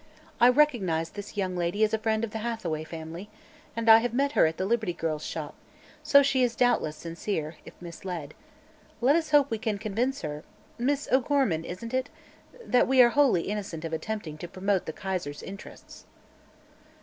"I recognize this young lady as a friend of the Hathaway family, and I have met her at the Liberty Girls' Shop, so she is doubtless sincere if misled. Let us hope we can convince her Miss O'Gorman, isn't it? that we are wholly innocent of attempting to promote the Kaiser's interests."